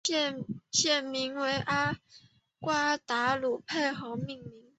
县名以瓜达卢佩河命名。